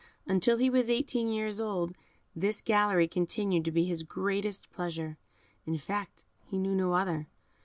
Until he was eighteen years old, this gallery continued to be his greatest pleasure; in fact, he knew no other.